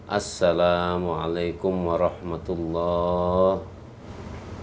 assalamualaikum warahmatullahi wabarakatuh